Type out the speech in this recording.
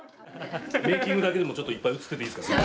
メイキングだけでもちょっといっぱい映ってていいですか？